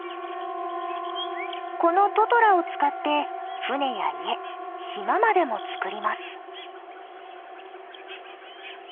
このトトラを使って舟や家島までもつくります。